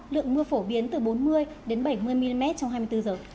lượng mưa phổ biến từ bốn mươi đến ba mươi độ